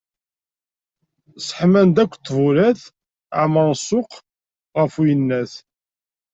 Sseḥman-d akk ṭbulat, ԑemren ssuq γef uyennat.